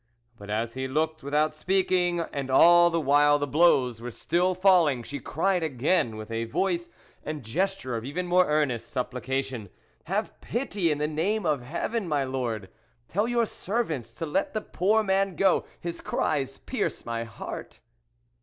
But, as he looked without speaking, and all the while the blows were still falling, she cried again, with a voice and gesture of even more earnest supplica cation. " Have pity, in the name of Heaven, my Lord ! Tell your servants to let the poor man go, his cries pierce my heart."